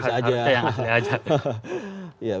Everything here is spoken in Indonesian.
harganya yang asli saja